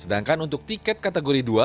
sedangkan untuk tiket kategori dua